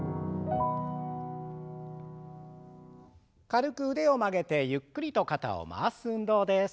軽く腕を曲げてゆっくりと肩を回す運動です。